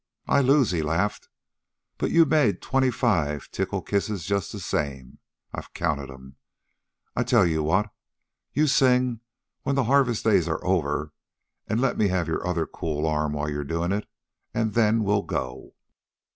"I lose," he laughed. "But you made twenty five tickle kisses just the same. I counted 'em. I'll tell you what: you sing 'When the Harvest Days Are Over,' and let me have your other cool arm while you're doin' it, and then we'll go."